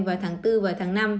vào tháng bốn và tháng năm